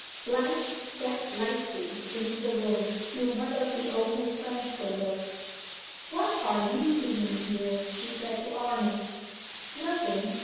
BLANCHE stepped lightly into the room, through one of the open French windows. "What are you doing here?" she said to Arnold. "Nothing.